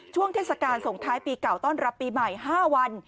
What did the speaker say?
ช่วงเทศกาลส่งท้ายปีเก่าต้อนรับปีใหม่๕วัน